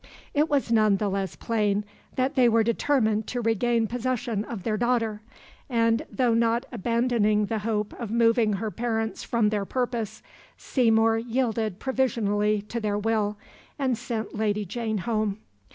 It was none the less plain that they were determined to regain possession of their daughter, and, though not abandoning the hope of moving her parents from their purpose, Seymour yielded provisionally to their will and sent Lady Jane home.